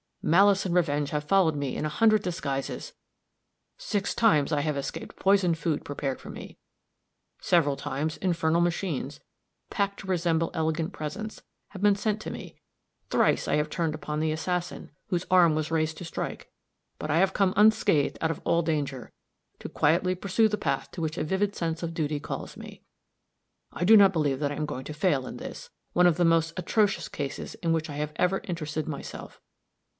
Malice and revenge have followed me in a hundred disguises six times I have escaped poisoned food prepared for me; several times, infernal machines, packed to resemble elegant presents, have been sent to me; thrice I have turned upon the assassin, whose arm was raised to strike but I have come unscathed out of all danger, to quietly pursue the path to which a vivid sense of duty calls me. I do not believe that I am going to fail in this, one of the most atrocious cases in which I have ever interested myself.